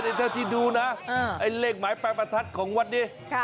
เท่าที่ดูนะไอ้เลขหมายปลายประทัดของวัดนี้